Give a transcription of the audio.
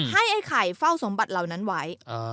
ไอ้ไข่เฝ้าสมบัติเหล่านั้นไว้